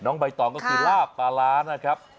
ใบตองก็คือลาบปลาร้านะครับ